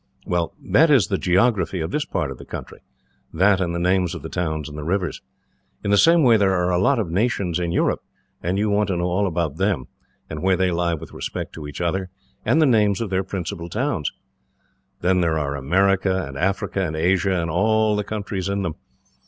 Well, that is the geography of this part of the country that and the names of the towns and rivers. In the same way, there are a lot of nations in Europe, and you want to know all about them, and where they lie with respect to each other, and the names of their principal towns. Then there are America, and Africa, and Asia, and all the countries in them.